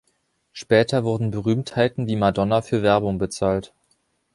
Später wurden Berühmtheiten wie Madonna für Werbung bezahlt.